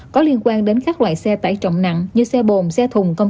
tại nhiều bệnh viện tuyến trung ương